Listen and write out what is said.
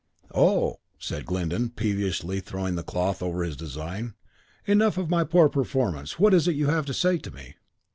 "Oh," said Glyndon, peevishly, throwing the cloth over his design, "enough of my poor performance. What is it you have to say to me?"